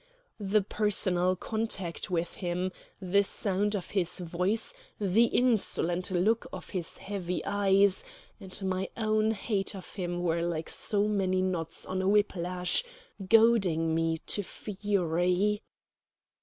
The personal contact with him, the sound of his voice, the insolent look of his heavy eyes, and my old hate of him were like so many knots on a whiplash goading me to fury.